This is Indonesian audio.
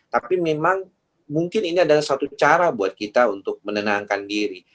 tapi memang mungkin ini adalah satu cara buat kita untuk menenangkan diri